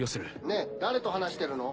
ねぇ誰と話してるの？